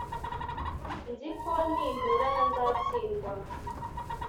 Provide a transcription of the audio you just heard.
nzi ko nimburana, nzatsindwa